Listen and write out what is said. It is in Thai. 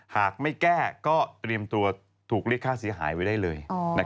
หากไม่แก้ก็เตรียมตัวถูกเรียกค่าเสียหายไว้ได้เลย